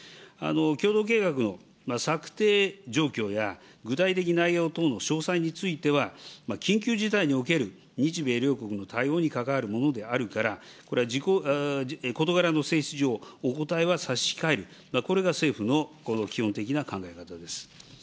共同計画の策定状況や、具体的内容等の詳細については、緊急事態における日米両国の対応に関わるものであるから、これは事柄の性質上、お答えは差し控える、これが政府の基本的な考え方です。